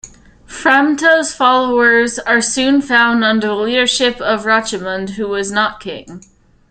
Framta's followers are soon found under the leadership of Rechimund, who was not king.